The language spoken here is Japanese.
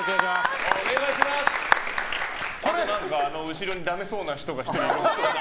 後ろにダメそうな人が１人いるけど。